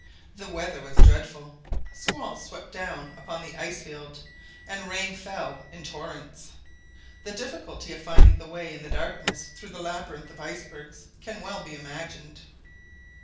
The weather was dreadful, squalls swept down upon the ice field, and rain fell in torrents. The difficulty of finding the way in the darkness through the labyrinth of icebergs can well be imagined!